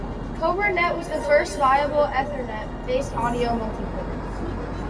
CobraNet was the first viable Ethernet based audio multicore.